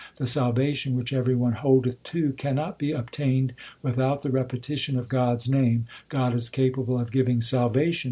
The salvation which every one holdeth to, Cannot be obtained without the repetition of God s name : God is capable of giving salvation.